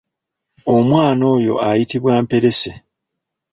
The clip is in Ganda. Omwana oyo ayitibwa Mperese.